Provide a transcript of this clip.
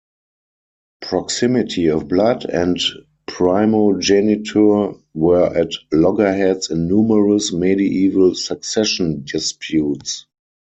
Proximity of blood and primogeniture were at loggerheads in numerous medieval succession disputes.